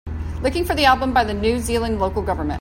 Looking for the album by the New Zealand Local Government